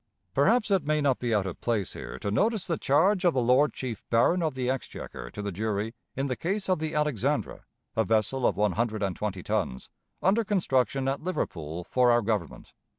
Perhaps it may not be out of place here to notice the charge of the Lord Chief Baron of the Exchequer to the jury in the case of the Alexandra, a vessel of one hundred and twenty tons, under construction at Liverpool for our Government.